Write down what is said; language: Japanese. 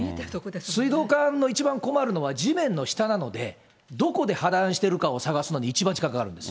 水道管の一番困るのは、地面の下なので、どこで破断してるかを探すのに一番時間かかるんです。